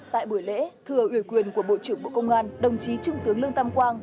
tại buổi lễ thưa ủy quyền của bộ trưởng bộ công an đồng chí trung tướng lương tam quang